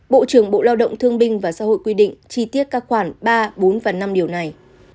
bộ trưởng bộ lao động thương binh và xã hội quy định chi tiết các khoản ba bốn và năm điều này